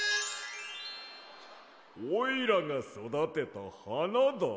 おいらがそだてたはなだ。